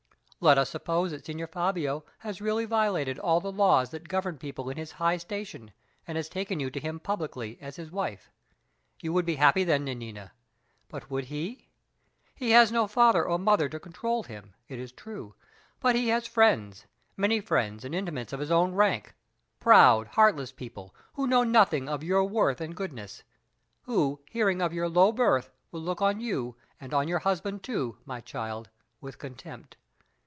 Let us suppose that Signor Fabio has really violated all the laws that govern people in his high station and has taken you to him publicly as his wife. You would be happy then, Nanina; but would he? He has no father or mother to control him, it is true; but he has friends many friends and intimates in his own rank proud, heartless people, who know nothing of your worth and goodness; who, hearing of your low birth, would look on you, and on your husband too, my child, with contempt.